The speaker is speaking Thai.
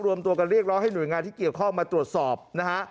รวมตัวกันเรียกร้องให้หน่วยงานที่เกี่ยวข้องมาตรวจสอบนะฮะ